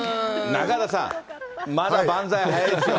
中畑さん、まだ万歳早いですよ。